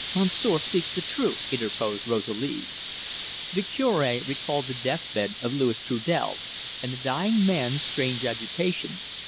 "Monsieur speaks the truth," interposed Rosalie. The Cure recalled the death bed of Louis Trudel, and the dying man's strange agitation.